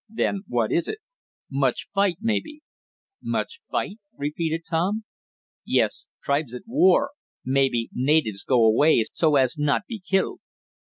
"Then what is it?" "Much fight, maybe." "Much fight?" repeated Tom. "Yes, tribes at war. Maybe natives go away so as not be killed."